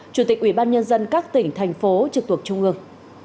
chủ tịch ủy ban nhân dân các tỉnh thành phố trực thuộc trung ương